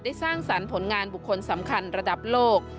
สร้างสรรค์ผลงานบุคคลสำคัญระดับโลก